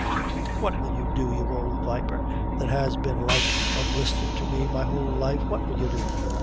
"What will you do, you old viper, that has been like a blister to me my whole life what will you do?"